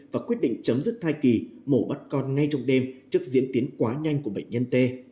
và quyết định chấm dứt thai kỳ mổ bắt con ngay trong đêm trước diễn tiến quá nhanh của bệnh nhân t